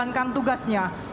ini adalah spesifikasi pesawat